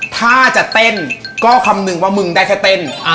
ถ้าจะเต้นก็คำนึงว่ามึงได้แค่เต้น